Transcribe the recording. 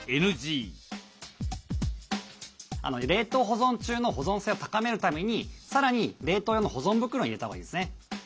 冷凍保存中の保存性を高めるためにさらに冷凍用の保存袋に入れたほうがいいですね。